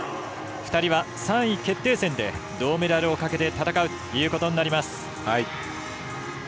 ２人は３位決定戦で銅メダルをかけて戦うということになります。